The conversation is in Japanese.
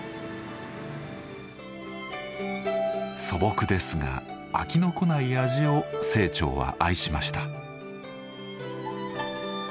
素朴ですが飽きのこない味を清張は愛しました。